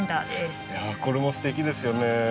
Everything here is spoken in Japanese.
いやこれもすてきですよね。